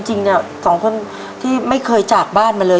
จริงเนี่ยสองคนที่ไม่เคยจากบ้านมาเลย